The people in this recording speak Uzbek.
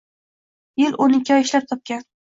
Yil-o‘n ikki oy ishlab topgan